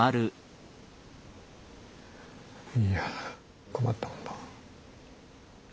いや困ったもんだ。